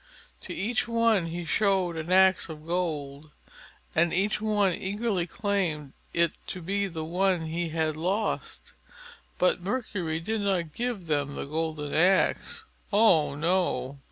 To each one he showed an axe of gold, and each one eagerly claimed it to be the one he had lost. But Mercury did not give them the golden axe. Oh no!